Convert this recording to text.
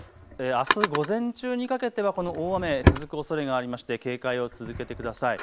あす午前中にかけてはこの大雨、続くおそれがあって警戒を続けてください。